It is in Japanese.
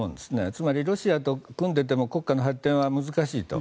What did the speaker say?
つまり、ロシアと組んでいても国家の発展は難しいと。